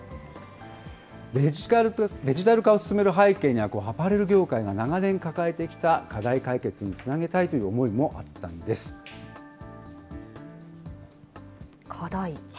デジタル化を進める背景には、アパレル業界が長年抱えてきた課題解決につなげたいという思いも課題？